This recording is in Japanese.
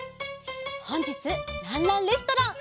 ほんじつ「ランランレストラン」